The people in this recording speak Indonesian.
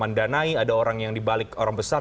mandanai ada orang yang di balik orang besar